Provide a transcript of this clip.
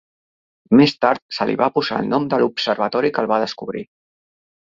Més tard se li va posar el nom de l'observatori que el va descobrir.